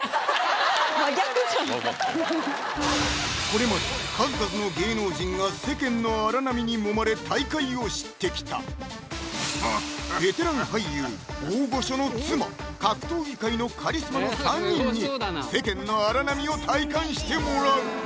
これまで数々の芸能人が世間の荒波にもまれ大海を知ってきたベテラン俳優・大御所の妻格闘技界のカリスマの３人に世間の荒波を体感してもらう！